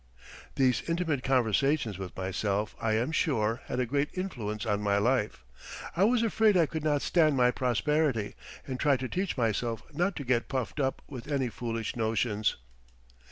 These intimate conversations with myself, I am sure, had a great influence on my life. I was afraid I could not stand my prosperity, and tried to teach myself not to get puffed up with any foolish notions.